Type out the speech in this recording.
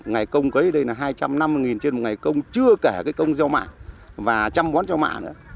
ngày công cấy đây là hai trăm năm mươi trên một ngày công chưa kể cái công giao mạng và trăm bón giao mạng nữa